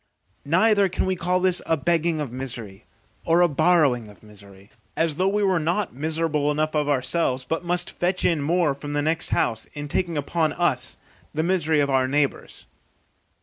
Neither can we call this a begging of misery, or a borrowing of misery, as though we were not miserable enough of ourselves, but must fetch in more from the next house, in taking upon us the misery of our neighbours.